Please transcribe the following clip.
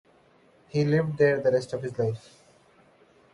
He lived there the rest of his life.